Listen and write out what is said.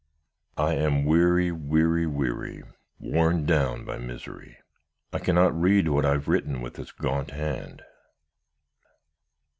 "I am weary, weary, weary worn down by misery. I cannot read what I have written with this gaunt hand.